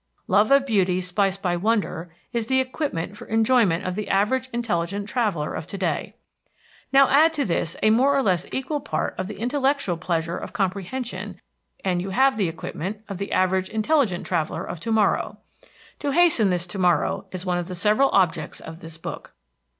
Love of beauty spiced by wonder is the equipment for enjoyment of the average intelligent traveller of to day. Now add to this a more or less equal part of the intellectual pleasure of comprehension and you have the equipment of the average intelligent traveller of to morrow. To hasten this to morrow is one of the several objects of this book.